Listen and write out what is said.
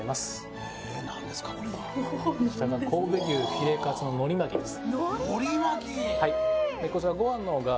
こちらが神戸牛フィレカツののり巻きです。